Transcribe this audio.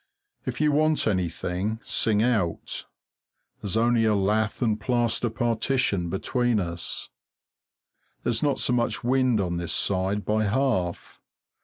If you want anything, sing out; there's only a lath and plaster partition between us. There's not so much wind on this side by half.